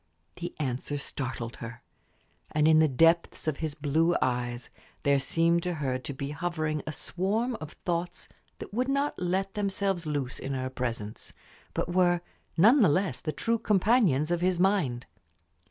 The answer startled her. And in the depths of his blue eyes there seemed to her to be hovering a swarm of thoughts that would not let themselves loose in her presence, but were none the less the true companions of his mind.